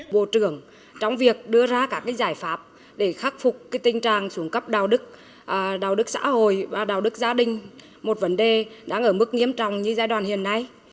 bộ trưởng trong việc đưa ra các giải pháp để khắc phục tình trạng xuống cấp đạo đức đạo đức xã hội và đạo đức gia đình một vấn đề đang ở mức nghiêm trọng như giai đoạn hiện nay